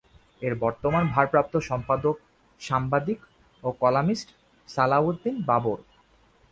এর বর্তমান ভারপ্রাপ্ত সম্পাদক সাংবাদিক ও কলামিস্ট সালাহ উদ্দিন বাবর।